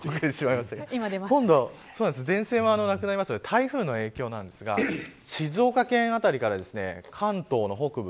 前線はなくなりましたが台風の影響なんですが静岡県辺りから関東の北部